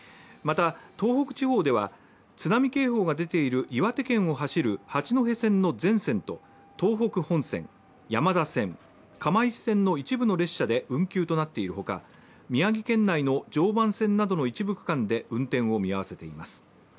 また東北地方では津波警報が出ている岩手県を走る八戸線の全線と東北本線、山田線、釜石線の一部の列車で運休となっているほか宮城県内の常磐線などの一部区間で運転を見合わせています。